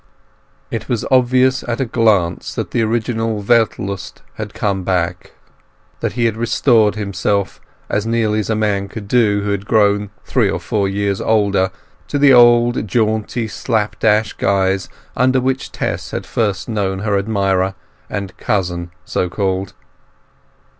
It was obvious at a glance that the original Weltlust had come back; that he had restored himself, as nearly as a man could do who had grown three or four years older, to the old jaunty, slapdash guise under which Tess had first known her admirer, and cousin so called.